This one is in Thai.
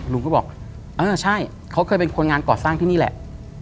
ลุงก็บอกเออใช่เขาเคยเป็นคนงานก่อสร้างที่นี่แหละ